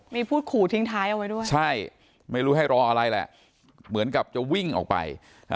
มีพูดขู่ทิ้งท้ายเอาไว้ด้วยใช่ไม่รู้ให้รออะไรแหละเหมือนกับจะวิ่งออกไป